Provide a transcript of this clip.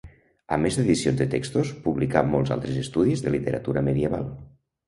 A més d'edicions de textos publicà molts altres estudis de literatura medieval.